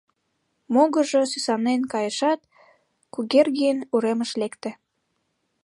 Могыржо сӱсанен кайышат, Кугергин уремыш лекте.